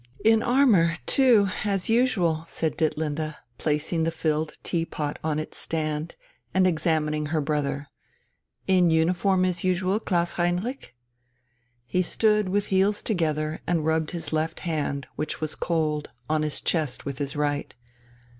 "In armour, too, as usual?" said Ditlinde, placing the filled tea pot on its stand and examining her brother. "In uniform as usual, Klaus Heinrich?" He stood with heels together and rubbed his left hand, which was cold, on his chest with his right.